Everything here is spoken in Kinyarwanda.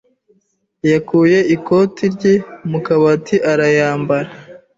yakuye ikoti rye mu kabati arayambara.